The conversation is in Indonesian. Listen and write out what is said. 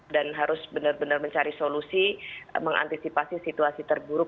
dan harus benar benar mencari solusi mengantisipasi situasi terburuk